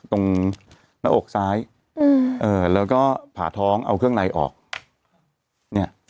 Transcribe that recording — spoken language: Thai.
ตรงหน้าอกซ้ายแล้วก็ผ่าท้องเอาเครื่องในออกเนี่ย